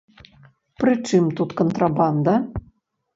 Пры чым тут кантрабанда?